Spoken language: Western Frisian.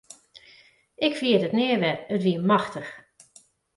Ik ferjit it nea wer, it wie machtich.